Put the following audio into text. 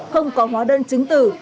không có hóa đơn chứng từ